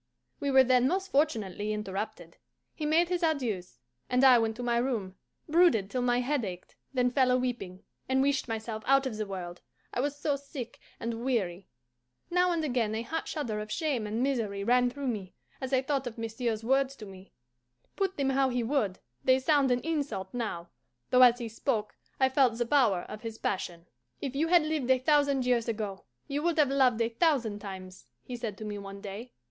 We were then most fortunately interrupted. He made his adieus, and I went to my room, brooded till my head ached, then fell a weeping, and wished myself out of the world, I was so sick and weary. Now and again a hot shudder of shame and misery ran through me, as I thought of monsieur's words to me. Put them how he would, they sound an insult now, though as he spoke I felt the power of his passion. "If you had lived a thousand years ago, you would have loved a thousand times," he said to me one day.